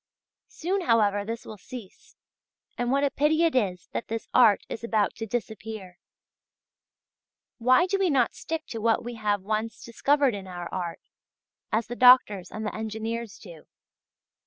Soon, however, this will cease, and what a pity it is that this art is about to disappear! Why do we not stick to what we have once discovered in our art, as the doctors and the engineers do?